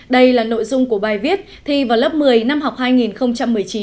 đây là nội dung của bài viết thi vào lớp một mươi năm học hai nghìn một mươi chín hai nghìn hai mươi